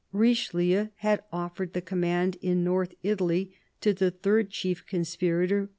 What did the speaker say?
Richelieu had offered the command in North Italy to the third chief conspirator.